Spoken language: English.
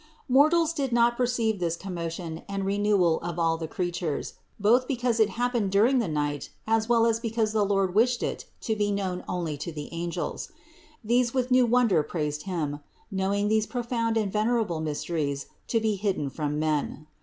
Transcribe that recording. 129. Mortals did not perceive this commotion and re newal of all the creatures ; both because it happened dur ing the night, as well as because the Lord wished it to be known only to the angels. These with new wonder praised Him, knowing these profound and venerable mysteries to be hidden from men.